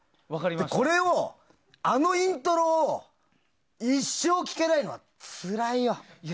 これを、あのイントロを一生聴けないのはつらいよ。